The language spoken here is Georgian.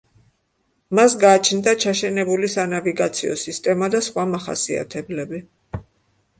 მას გააჩნდა ჩაშენებული სანავიგაციო სისტემა და სხვა მახასიათებლები.